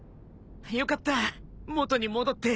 よかった元に戻って。